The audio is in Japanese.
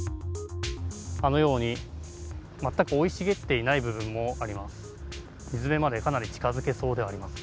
あのように全く生い茂ってない部分もあります。